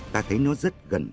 ta thấy nó rất gần